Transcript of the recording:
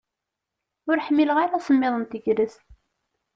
Ur ḥmmileɣ ara asemmiḍ n tegrest.